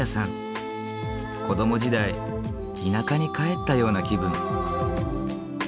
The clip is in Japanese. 子ども時代田舎に帰ったような気分。